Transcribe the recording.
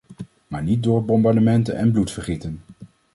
Maar niet door bombardementen en bloedvergieten.